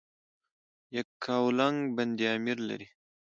یکاولنګ بند امیر لري؟